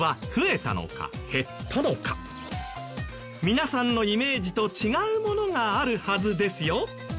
皆さんのイメージと違うものがあるはずですよ。